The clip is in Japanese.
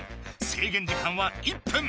制限時間は１分。